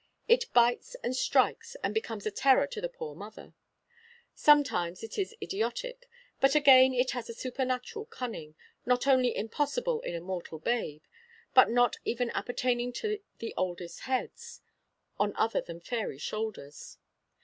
It bites and strikes, and becomes a terror to the poor mother. Sometimes it is idiotic; but again it has a supernatural cunning, not only impossible in a mortal babe, but not even appertaining to the oldest heads, on other than fairy shoulders.